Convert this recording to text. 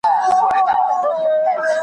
پر لمن د شنه اسمان به یوه ورځ وي لمر ختلی .